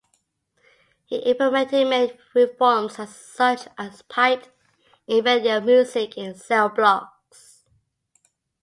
He implemented many reforms such as piped in radio music in the cell blocks.